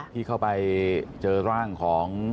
ที่เข้าไปเจอร่างของ